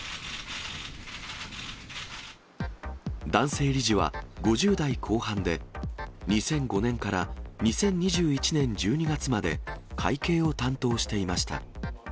男性理事は５０代後半で、２００５年から２０２１年１２月まで会計を担当していました。